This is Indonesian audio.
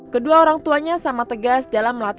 kedua orang tuanya sama tegas dalam melakukan tugas